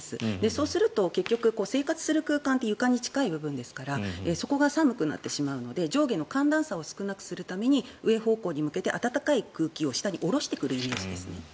そうすると、結局生活する空間って床に近い部分ですからそこが寒くなってしまうので上下の寒暖差を少なくするために上方向に向けて暖かい空気を下に下ろすイメージです。